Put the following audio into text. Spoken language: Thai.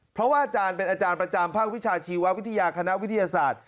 เพราะว่าอาจารย์เป็นอาจารย์ประจำภาควิชาชีววิทยาคณะวิทยาศาสตร์